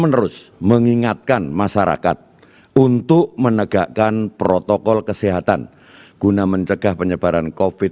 presiden juga mengingatkan kepada masyarakat untuk tetap patuh dan disiplin dalam menjalankan protokol kesehatan guna mencegah penyebaran covid sembilan belas